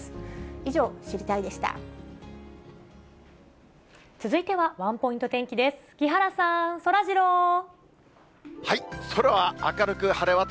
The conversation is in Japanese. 以上、知りたいッ！でした。